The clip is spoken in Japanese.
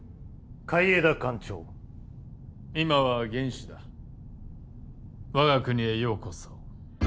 海江田艦長今は元首だ我が国へようこそ